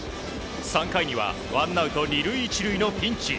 ３回にはワンアウト２塁１塁のピンチ。